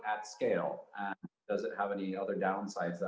apakah negara akan memiliki dosis